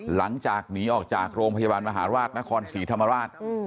หลังจากหนีออกจากโรงพยาบาลมหาราชนครศรีธรรมราช